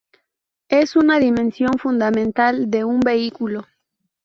Es una dimensión fundamental de un vehículo.